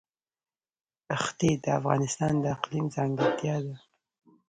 ښتې د افغانستان د اقلیم ځانګړتیا ده.